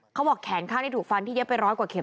เขาบอกแขนข้างที่ถูกฟันที่เย็บไปร้อยกว่าเม็